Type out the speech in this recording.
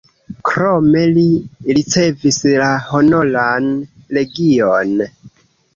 Krome li ricevis la Honoran Legion.